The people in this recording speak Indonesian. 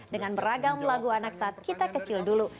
dengan beragam lagu anak saat kita kecil dulu